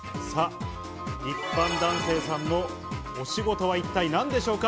一般男性さんのお仕事は一体何でしょうか？